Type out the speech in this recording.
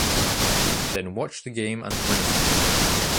Then watch the game and win a few.